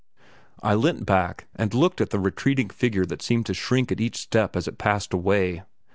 I leant back and looked at the retreating figure that seemed to shrink at each step as it passed away.